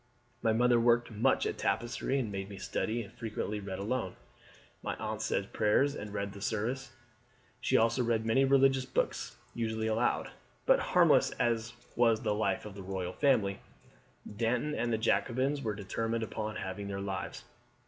My mother worked much at tapestry and made me study, and frequently read alone. My aunt said prayers and read the service; she also read many religious books, usually aloud." But harmless as was the life of the royal family, Danton and the Jacobins were determined upon having their lives.